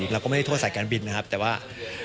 เราก็ไม่ได้โทษสายการบินนะครับแต่ว่า